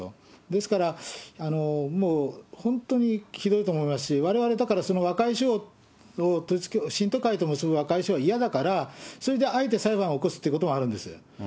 ですから、もう本当にひどいと思いますし、われわれ、だからその和解書を信徒会と結ぶ和解書は嫌だから、それであえて裁判を起こすということがあるんです。